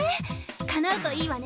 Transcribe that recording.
かなうといいわね。